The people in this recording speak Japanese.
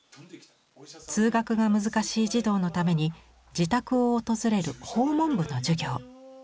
通学が難しい児童のために自宅を訪れる「訪問部」の授業。